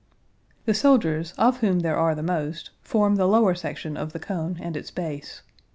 The soldiers, of whom there are the most, form the lower section of the cone and its base.